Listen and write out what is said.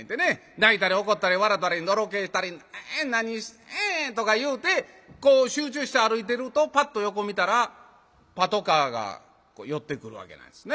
泣いたり怒ったり笑たりのろけたり「何してん」とか言うてこう集中して歩いてるとパッと横見たらパトカーが寄ってくるわけなんですね。